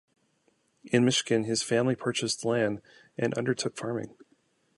In Michigan his family purchased land and undertook farming.